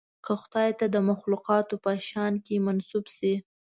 که خدای ته د مخلوقاتو په شأن کې منسوب شي.